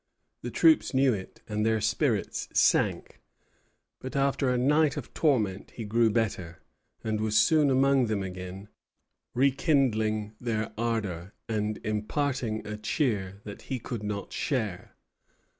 The troops knew it, and their spirits sank; but, after a night of torment, he grew better, and was soon among them again, rekindling their ardor, and imparting a cheer that he could not share.